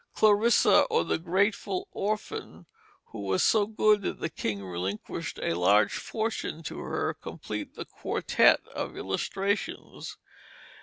Clarissa, or the Grateful Orphan, who was so good that the king relinquished a large fortune to her, complete the quartette of illustrations.